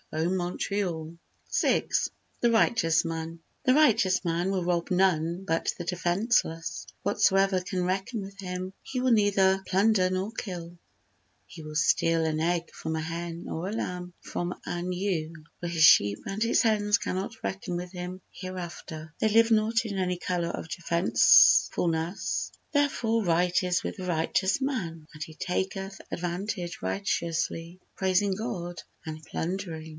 O Montreal! vi—The Righteous Man The righteous man will rob none but the defenceless, Whatsoever can reckon with him he will neither plunder nor kill; He will steal an egg from a hen or a lamb from an ewe, For his sheep and his hens cannot reckon with him hereafter— They live not in any odour of defencefulness: Therefore right is with the righteous man, and he taketh advantage righteously, Praising God and plundering.